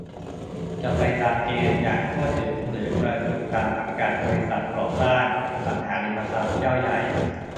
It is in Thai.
จะไปตามเกณฑ์อย่างทั่วถึง หรือกระจุกตามสังกัดบริษัทก่อสร้าง-อสังหาริมทรัพย์เจ้าใหญ่